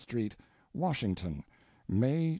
STREET, WASHINGTON, May 2.